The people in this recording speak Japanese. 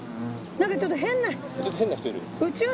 なんかちょっと変な。